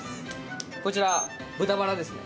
こちら豚バラですね。